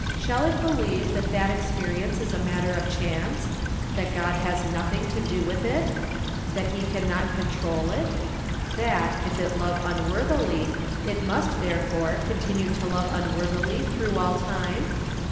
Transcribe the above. Shall it believe that that experi ence is a matter of chance ? that God has noth ing to do with it ? that he can not control it ? that, if it love unworthily, it must, therefore, continue to love unworthily through all time?